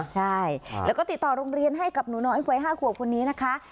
ใช่แล้วก็ติดต่อโรงเรียนให้กับหนูน้อยวัย๕ขวบคนนี้นะคะ